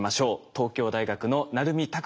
東京大学の鳴海拓志さんです。